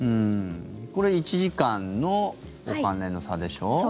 これ１時間のお金の差でしょ？